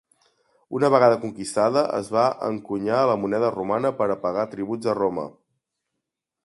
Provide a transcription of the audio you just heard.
Una vegada conquistada, es va encunyar la moneda romana per a pagar tributs a Roma.